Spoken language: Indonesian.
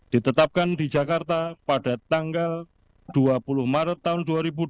ditetapkan di jakarta pada tanggal dua puluh maret tahun dua ribu dua puluh